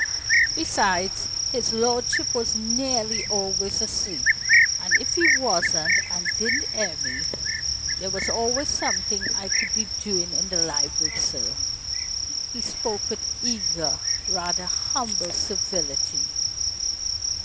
Besides, his lordship was nearly always asleep; and if he wasn't and did 'ear me, there was always something I could be doing in the library, sir." He spoke with eager, rather humble civility.